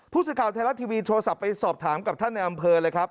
ผู้สื่อข่าวไทยรัฐทีวีโทรศัพท์ไปสอบถามกับท่านในอำเภอเลยครับ